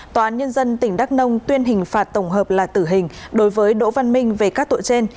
toán nhân dân tỉnh đắk nông tuyên hình phạt tổng hợp là tử hình đối với đỗ phân minh về các tội trên